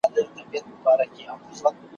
په شپېلۍ د اسرافیل ګوندي خبر سو `